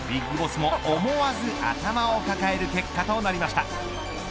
ＢＩＧＢＯＳＳも思わず頭を抱える結果となりました。